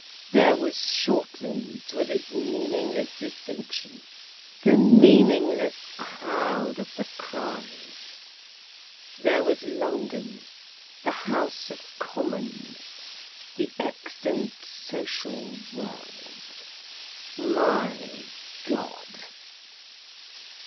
There was Shortlands with its meaningless distinction, the meaningless crowd of the Criches. There was London, the House of Commons, the extant social world. My God!